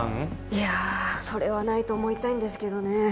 いやそれはないと思いたいんですけどね